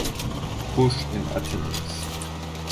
Bush in attendance.